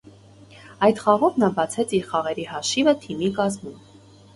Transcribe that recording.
Այդ խաղով նա բացեց իր խաղերի հաշիվը թիմի կազմում։